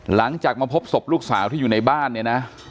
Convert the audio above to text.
หลังจากมาพบสบลูกสาวที่อยู่ในบ้าน